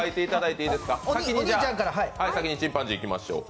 先にチンパンジーいきましょう。